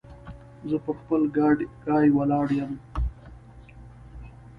زه پر خپل ګای ولاړ يم.